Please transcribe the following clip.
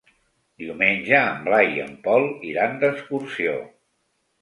Diumenge en Blai i en Pol iran d'excursió.